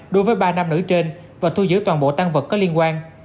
đối với ba nam nữ trên và thu giữ toàn bộ tăng vật có liên quan